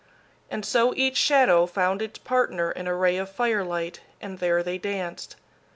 And so each shadow found its partner in a ray of firelight, and there they danced.